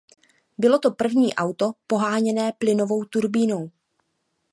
Bylo to první auto poháněné plynovou turbínou.